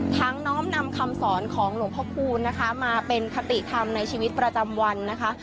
น้อมนำคำสอนของหลวงพระคูณนะคะมาเป็นคติธรรมในชีวิตประจำวันนะคะ